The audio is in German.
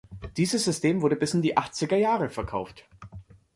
Dieses System wurde bis in die achtziger Jahre verkauft.